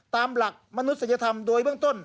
ตามหลักมนุษยธรรมโดยเบื้องต้น